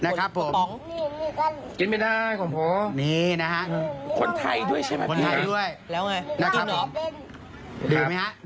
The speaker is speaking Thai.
นะครับผมนี่นี่กันนี่นะฮะคนไทยด้วยใช่ไหมแล้วไงดื่มหน่อยเป็น